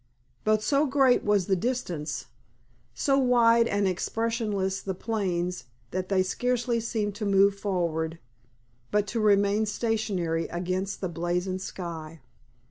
But so great was the distance, so wide and expressionless the plains that they scarcely seemed to move forward, but to remain stationary against the brazen sky.